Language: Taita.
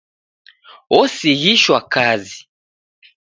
Osighishwa kazi.